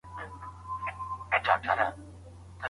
ولي هوډمن سړی د پوه سړي په پرتله لاره اسانه کوي؟